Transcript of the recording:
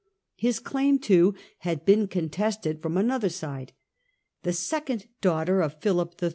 His claim, too, had been contested from another side. The second daughter of Philip III.